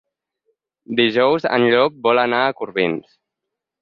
Dijous en Llop vol anar a Corbins.